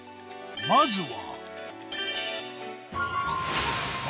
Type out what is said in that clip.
まずは。